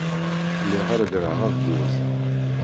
Lliɣ reggleɣ abduz.